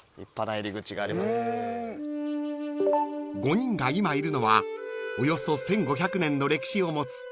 ［５人が今いるのはおよそ１，５００年の歴史を持つ］